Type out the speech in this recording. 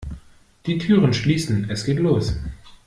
Die Türen schließen, es geht los!